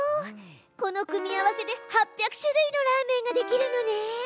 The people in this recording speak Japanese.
この組み合わせで８００種類のラーメンができるのね！